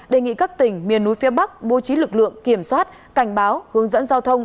đề nghị các tỉnh miền núi phía bắc bố trí lực lượng kiểm soát cảnh báo hướng dẫn giao thông